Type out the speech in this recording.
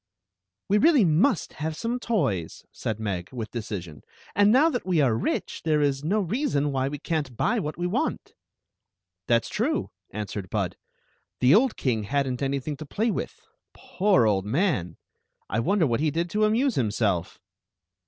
" We really must have some toys," said Meg, with decision; "and now that we are rich, there is no rea son why we can't buy what we want "That *s true," answered Bud. "The old king had nt anything to play with. Poor old man ! I wonder what he did to amuse himself."